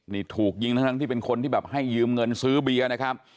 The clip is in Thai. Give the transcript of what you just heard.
นี่ถูกยิงทั้งที่เป็นคนที่แบบให้ยืมเงินซื้อเบียร์นะครับ